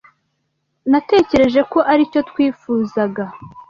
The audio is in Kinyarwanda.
Natekereje ko aricyo twifuzaga.